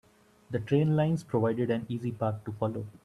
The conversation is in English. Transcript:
The train lines provided an easy path to follow.